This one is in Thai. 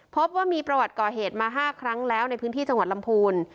พบว่ามีประวัติก่อเหตุมา๕ครั้งแล้วในพื้นที่จังหวัดลำพูน